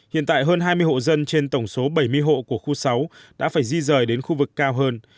hiện tại hơn hai mươi hộ dân trên tổng số bảy mươi hộ của khu sáu đã phải di rời đến khu vực cao hơn